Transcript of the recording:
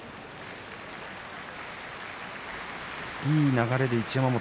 いい流れで一山本